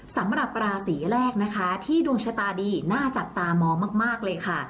สำหรับราศีแรกนะคะที่ดวงชะตาดีน่าจับตามองมากเลยค่ะ